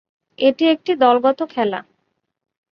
এটি একটি দলগত খেলা।